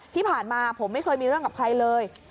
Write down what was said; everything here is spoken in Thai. ที่ผ่านมาผมไม่เคยมีเรื่องกับใครเลย